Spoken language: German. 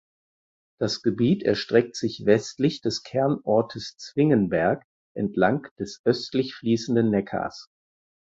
Das Gebiet erstreckt sich westlich des Kernortes Zwingenberg entlang des östlich fließenden Neckars.